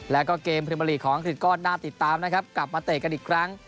แล้วก็เกมปริมาลีของก็น่าติดตามนะครับกลับมาเตะกันอีกครั้ง